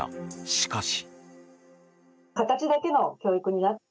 しかし。